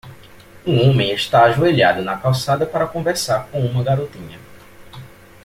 Um homem está ajoelhado na calçada para conversar com uma garotinha.